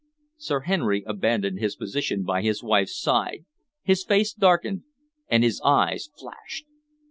Sir Henry abandoned his position by his wife's side, His face darkened and his eyes flashed.